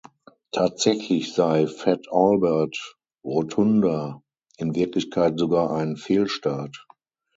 Tatsächlich sei "Fat Albert Rotunda" in Wirklichkeit sogar ein Fehlstart.